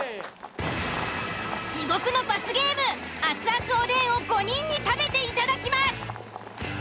地獄の罰ゲーム熱々おでんを５人に食べていただきます。